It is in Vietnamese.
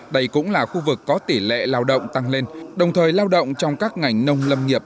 đây cũng là khu vực có tỷ lệ lao động tăng lên đồng thời lao động trong các ngành nông lâm nghiệp